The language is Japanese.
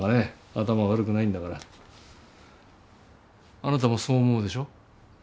頭悪くないんだから。あなたもそう思うでしょ？